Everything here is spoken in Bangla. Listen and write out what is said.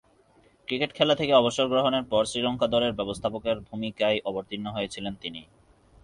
ক্রিকেট খেলা থেকে অবসর গ্রহণের পর শ্রীলঙ্কা দলের ব্যবস্থাপকের ভূমিকায় অবতীর্ণ হয়েছিলেন তিনি।